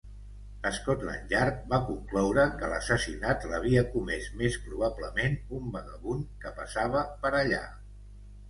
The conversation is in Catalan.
Scotland Yard va concloure que l'assassinat l'havia comés més probablement un vagabund que passava per allà.